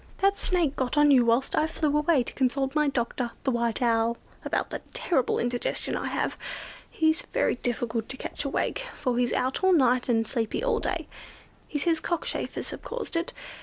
That Snake got on you whilst I flew away to consult my doctor, the White Owl, about the terrible indigestion I have. He's very difficult to catch awake; for he's out all night and sleepy all day. He says cockchafers have caused it.